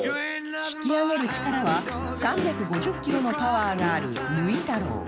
引き上げる力は３５０キロのパワーがあるぬい太郎